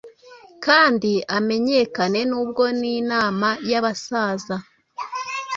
kandi amenyekane Nubwo ninama yabasaza